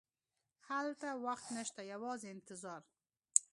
هلته وخت نه شته، یوازې انتظار.